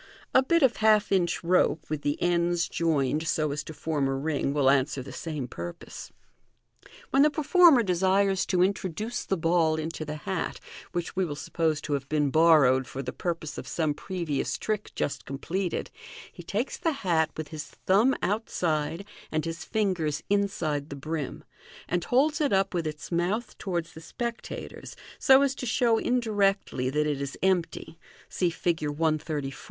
A bit of half inch rope, with the ends joined so as to form a ring, will answer the sama purpose. MODERN MAGIC 3*5 When the performer desires to which we will suppose to have been borrowed for the purpose of some previous trick just completed; he takes the hat with his thumb out side and his fingers inside the brim, and holds it up with its mouth to wards the spectators, so as to show indirectly that it is empty (see Fig. 1 34) .